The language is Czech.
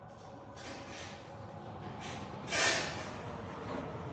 Park na jihu města obsahuje i lázně.